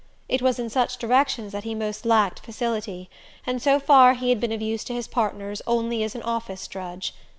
It was in such directions that he most lacked facility, and so far he had been of use to his partners only as an office drudge.